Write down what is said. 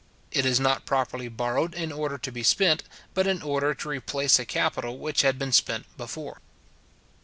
It is not properly borrowed in order to be spent, but in order to replace a capital which had been spent before.